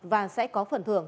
và sẽ có phần thưởng